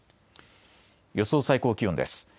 予想最高気温です。